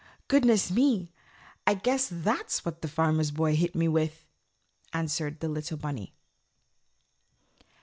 "Goodness me! I guess that's what the Farmer's Boy hit me with," answered the little bunny.